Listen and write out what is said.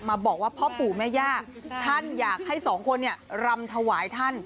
บอกว่าพ่อปู่แม่ย่าท่านอยากให้สองคนเนี่ยรำถวายท่าน